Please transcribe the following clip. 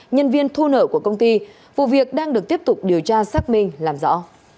nhân viên thu nợ của công ty vụ việc đang được tiếp tục điều tra xác minh làm rõ